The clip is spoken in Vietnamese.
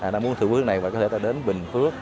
nó muốn thử bữa này và có thể ta đến bình phước